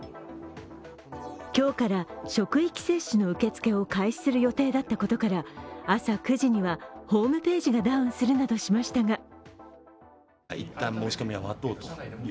今日から職域接種の受け付けを開始する予定だったことから朝９時にはホームページがダウンするなどしましたが